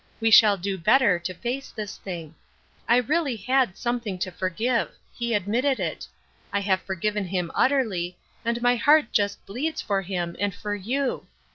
We shall do better to face this thing. I really had something to forgive. He admitted it. I have forgiven him utterly, and my heart just bleeds for him and for you.